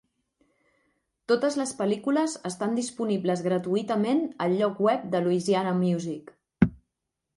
Totes les pel·lícules estan disponibles gratuïtament al lloc web de Louisiana Music.